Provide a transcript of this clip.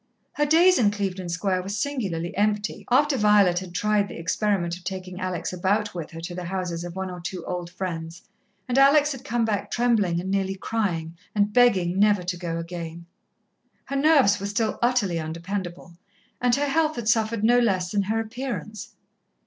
Her days in Clevedon Square were singularly empty, after Violet had tried the experiment of taking Alex about with her to the houses of one or two old friends, and Alex had come back trembling and nearly crying, and begging never to go again. Her nerves were still utterly undependable, and her health had suffered no less than her appearance.